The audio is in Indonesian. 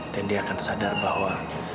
dan dia akan sadar bahwa